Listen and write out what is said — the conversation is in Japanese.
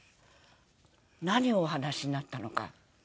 何をお話しになったのか。